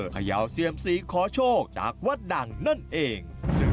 เขย่าเซียมสีขอโชคจากวัดดังนั่นเอง